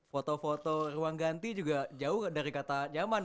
foto foto ruang ganti juga jauh dari kata nyaman